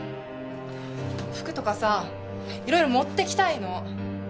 服とかさいろいろ持ってきたいの。